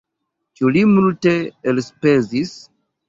Ĉu li multe elspezis?